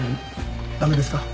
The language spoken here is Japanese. ダメですか？